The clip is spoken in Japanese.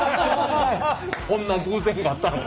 こんな偶然があったのか。